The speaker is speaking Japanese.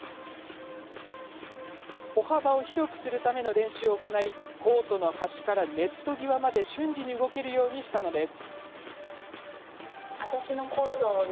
歩幅を広くするための練習を行いコートの端からネット際まで瞬時に動けるようにしたのです。